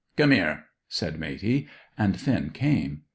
"Come 'ere!" said Matey. And Finn came.